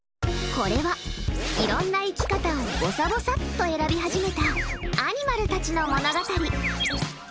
これは、いろんな生き方をぼさぼさっと選び始めたアニマルたちの物語。